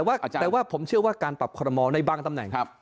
แต่ว่าผมเชื่อว่าการปรับคอรมอลในบางตำแหน่ง